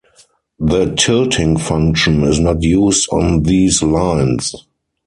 The tilting function is not used on these lines.